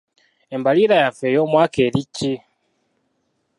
Embalirira yaffe ey'omwaka eri ki?